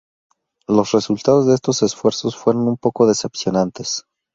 Los resultados de estos esfuerzos fueron un poco decepcionantes.